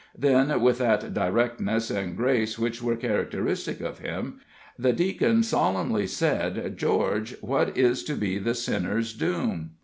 Then, with that directness and grace which were characteristic of him, the Deacon solemnly said: "George, what is to be the sinner's doom?"